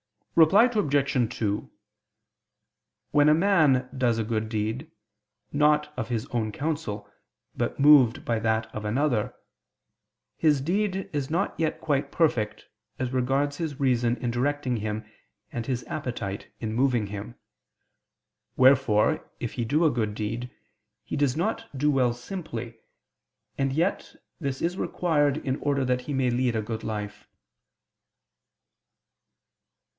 Reply Obj. 2: When a man does a good deed, not of his own counsel, but moved by that of another, his deed is not yet quite perfect, as regards his reason in directing him and his appetite in moving him. Wherefore, if he do a good deed, he does not do well simply; and yet this is required in order that he may lead a good life.